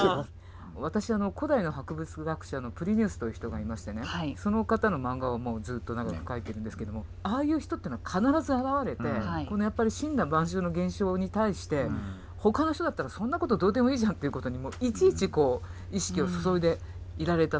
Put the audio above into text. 私古代の博物学者のプリニウスという人がいましてねその方の漫画をもうずっと長く描いてるんですけどもああいう人っていうのは必ず現れてこのやっぱり森羅万象の現象に対して他の人だったらそんなことどうでもいいじゃんっていうことにもいちいち意識を注いでいられた。